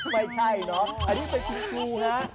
ไม่ใช่เนอะอันนี้เป็นครูนะ